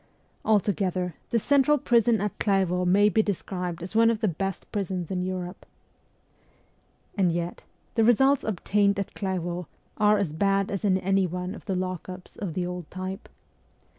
Altogether, the central prison at Clairvaux may be T 2 276 MEMOIRS OF A REVOLUTIONIST described as one of the best prisons in Europe. And yet, the results obtained at Clairvaux are as bad as in any one of the lock ups of the old type.